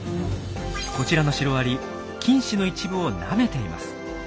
こちらのシロアリ菌糸の一部をなめています。